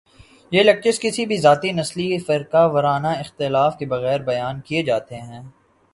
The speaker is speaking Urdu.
یہ لیکچرز کسی بھی ذاتی ، نسلی ، فرقہ ورانہ اختلاف کے بغیر بیان کیے جاتے ہیں